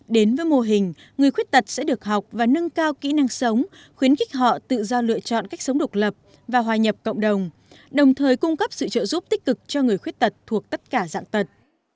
đến với mô hình người khuyết tật sẽ được học và nâng cao kỹ năng sống khuyến khích họ tự do lựa chọn cách sống độc lập và hòa nhập cộng đồng đồng thời cung cấp sự trợ giúp tích cực cho người khuyết tật thuộc tất cả dạng tật